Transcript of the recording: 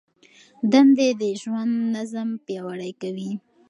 دندې د ژوند نظم پیاوړی کوي.